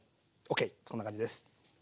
ＯＫこんな感じです。